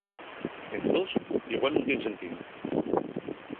Entós, igual nun tien sentíu.